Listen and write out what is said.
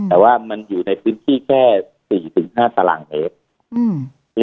แต่ว่ามันอยู่ในพื้นที่แค่สี่ถึงห้าตารางเฮฟอืมใช่